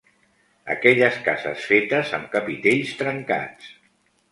Aquelles cases fetes am capitells trencats